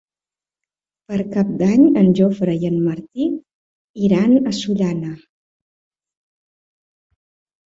Per Cap d'Any en Jofre i en Martí iran a Sollana.